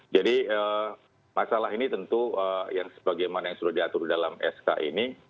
jadi masalah ini tentu yang sebagaimana yang sudah diatur dalam sk ini